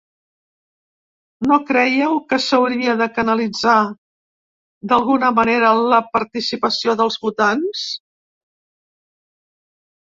No creieu que s’hauria de canalitzar d’alguna manera la participació dels votants?